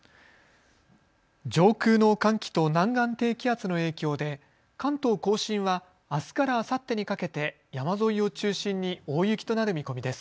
上空の寒気と南岸低気圧の影響で関東甲信はあすからあさってにかけて山沿いを中心に大雪となる見込みです。